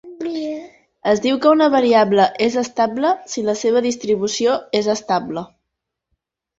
Es diu que una variable és estable si la seva distribució és estable.